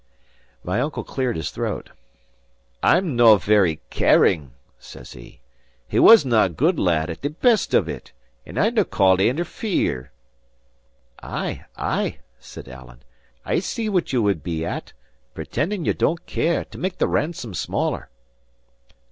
My uncle cleared his throat. "I'm no very caring," says he. "He wasnae a good lad at the best of it, and I've nae call to interfere." "Ay, ay," said Alan, "I see what ye would be at: pretending ye don't care, to make the ransom smaller."